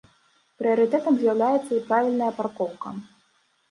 Прыярытэтам з'яўляецца і правільная паркоўка.